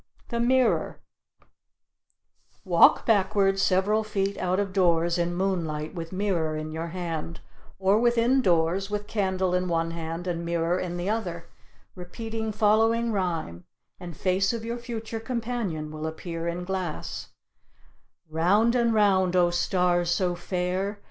THE MIRROR Walk backward several feet out of doors in moonlight with mirror in your hand, or within doors with candle in one hand and mirror in the other, repeating following rhyme, and face of your future companion will appear in glass: "Round and round, O stars so fair!